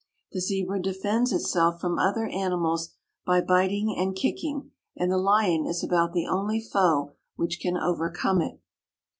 The Zebra defends itself from other animals by biting and kicking, and the lion is about the only foe which can overcome it.